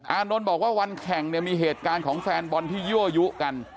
อานนท์บอกว่าวันแข่งเนี่ยมีเหตุการณ์ของแฟนบอลที่ยั่วยุกัน